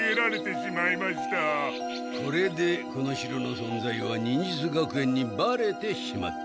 これでこの城のそんざいは忍術学園にバレてしまった。